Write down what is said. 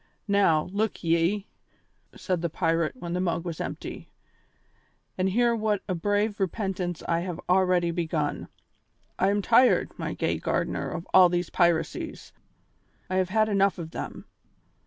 Now, look ye," said the pirate, when the mug was empty, "and hear what a brave repentance I have already begun. I am tired, my gay gardener, of all these piracies; I have had enough of them.